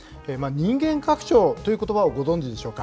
人間拡張ということばをご存じでしょうか。